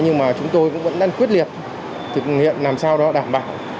nhưng mà chúng tôi cũng vẫn đang quyết liệt thực hiện làm sao đó đảm bảo